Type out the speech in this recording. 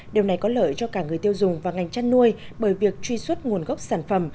điều này có lợi cho cả người tiêu dùng và ngành chăn nuôi bởi việc truy xuất nguồn gốc sản phẩm